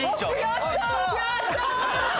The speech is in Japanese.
やった！